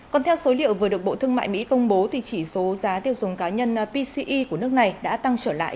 còn theo số liệu vừa được bộ thương mại mỹ công bố thì chỉ số giá tiêu dùng cá nhân pce của nước này đã tăng trở lại